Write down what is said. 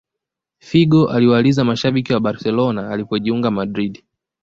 Figo aliwaliza mashabiki wa barcelona alipojiunga madrid